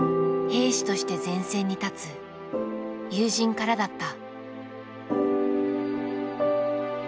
兵士として前線に立つ友人からだった。